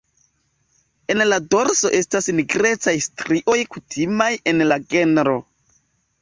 En la dorso estas nigrecaj strioj kutimaj en la genro.